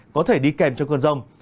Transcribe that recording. có thể đi kèm trong cơn rông